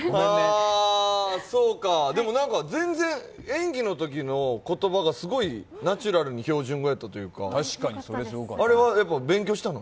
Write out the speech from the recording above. でも全然演技のときの言葉がすごいナチュラルに標準語やったというか、あれは勉強したの？